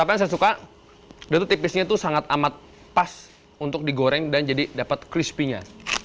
apa yang saya suka dia tuh tipisnya tuh sangat amat pas untuk digoreng dan jadi dapat crispy nya